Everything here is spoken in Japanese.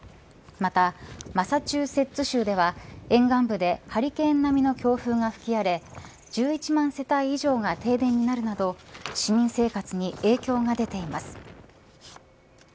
またマサチューセッツ州では沿岸部でハリケーンなみの強風が吹き荒れ１１万世帯以上が停電になるなど市民生活に影響が出ています。